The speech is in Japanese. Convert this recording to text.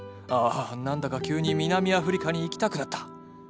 ああ何だか急に南アフリカに行きたくなった。